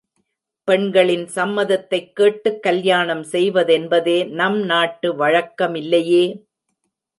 பெண்களின் சம்மதத்தைக் கேட்டுக் கல்யாணம் செய்வதென்பதே நம் நாட்டு வழக்கமில்லையே!